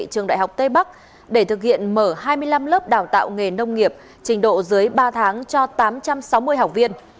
trường đại học tây bắc để thực hiện mở hai mươi năm lớp đào tạo nghề nông nghiệp trình độ dưới ba tháng cho tám trăm sáu mươi học viên